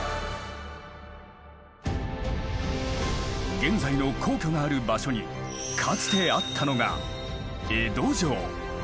現在の皇居がある場所にかつてあったのが江戸城。